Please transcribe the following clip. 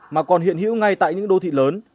mà còn hiện hữu ngay tại những đô thị lớn